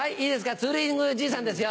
ツーリングじいさんですよ。